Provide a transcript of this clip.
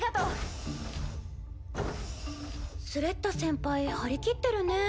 シューンスレッタ先輩張り切ってるね。